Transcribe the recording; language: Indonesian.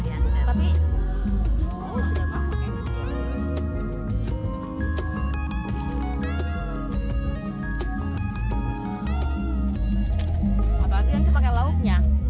apa itu yang kita pakai lauknya